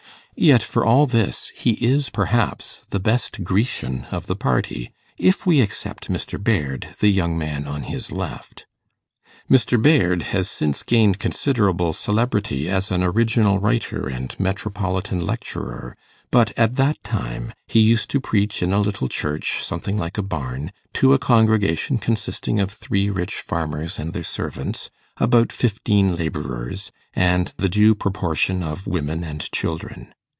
Yet for all this, he is perhaps the best Grecian of the party, if we except Mr. Baird, the young man on his left. Mr. Baird has since gained considerable celebrity as an original writer and metropolitan lecturer, but at that time he used to preach in a little church something like a barn, to a congregation consisting of three rich farmers and their servants, about fifteen labourers, and the due proportion of women and children.